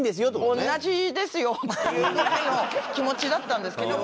「同じですよ」っていうぐらいの気持ちだったんですけどま